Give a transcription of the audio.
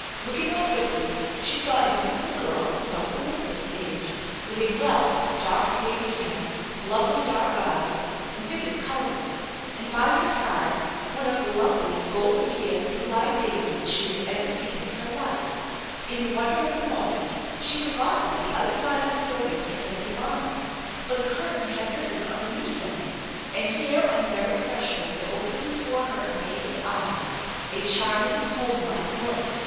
Looking up quickly she saw a beautiful girl of about Elizabeth's age, THE ENCHANTED BARN 161 with a wealth of dark wavy hair, lovely dark eyes, and vivid coloring, and by her side one of the loveliest golden haired, blue eyed babies she had ever seen in her life. In the wonder of the moment she forgot that the outside of the building had been a barn, for the curtain had risen on a new setting, and here on the very threshold there opened before her amazed eyes a charming, homelike room.